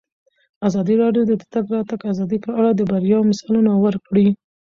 ازادي راډیو د د تګ راتګ ازادي په اړه د بریاوو مثالونه ورکړي.